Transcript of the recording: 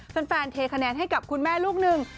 แฟนเทคะแนนให้กับคุณแม่ลูกหนึ่ง